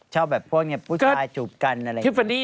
ชอบแบบพวกผู้ชายจูบกันอะไรอย่างนี้